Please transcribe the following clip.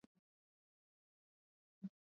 Mzee wa kijiji ni yupi?